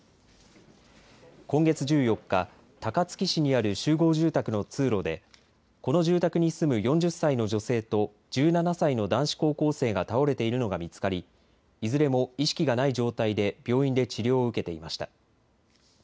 今月１４日、高槻市にある集合住宅の通路でこの住宅に住む４０歳の女性と１７歳の男子高校生が倒れているのが見つかり、いずれも意識がない状態で病院で治療を受けていました。